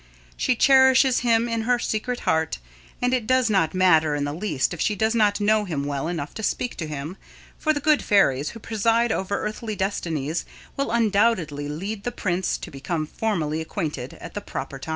She cherishes him in her secret heart, and it does not matter in the least if she does not know him well enough to speak to him, for the good fairies who preside over earthly destinies will undoubtedly lead The Prince to become formally acquainted at the proper time.